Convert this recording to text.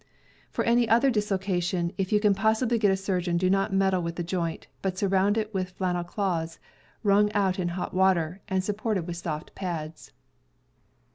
For any other dislocation, if you can possibly get a surgeon, do not meddle with the joint, but surround it with flannel cloths, wrung out in hot water, and sup port with soft pads.